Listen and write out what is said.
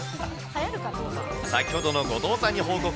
先ほどの後藤さんに報告。